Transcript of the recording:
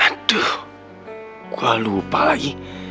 aduh gua lupa lagi